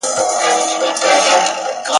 لاس دي شل د محتسب وي شیخ مختوری پر بازار کې ..